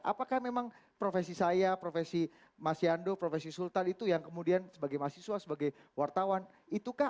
apakah memang profesi saya profesi mas yando profesi sultan itu yang kemudian sebagai mahasiswa sebagai wartawan itukah